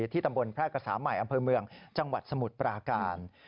ตำบลแพร่กษาใหม่อำเภอเมืองจังหวัดสมุทรปราการ